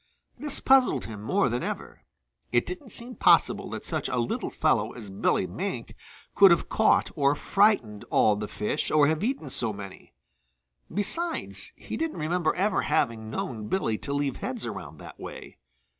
This puzzled him more than ever. It didn't seem possible that such a little fellow as Billy Mink could have caught or frightened all the fish or have eaten so many. Besides, he didn't remember ever having known Billy to leave heads around that way.